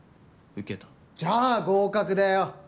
じゃあ合格だよ。